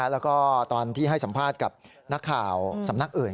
แล้วก็ตอนที่ให้สัมภาษณ์กับนักข่าวสำนักอื่น